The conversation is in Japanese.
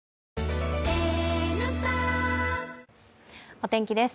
お天気です。